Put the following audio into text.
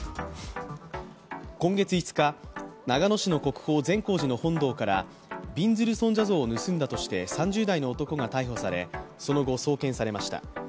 今月５日、長野市の国宝・善光寺の本堂からびんずる尊者像を盗んだとして３０代の男が逮捕されその後、送検されました。